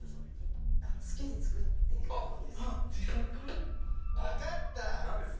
好きで作っているものです。